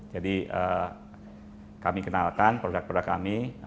jadi kami kenalkan produk produk kami